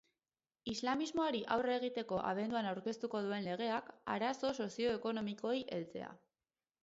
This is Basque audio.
Islamismoari aurre egiteko abenduan aurkeztuko duen legeak, arazo soziekonomikoei heltzea.